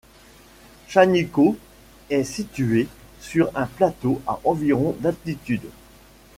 Shaniko est située sur un plateau, à environ d'altitude.